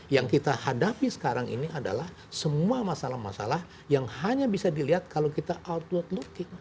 yang kita hadapi sekarang ini adalah semua masalah masalah yang hanya bisa dilihat kalau kita outward looking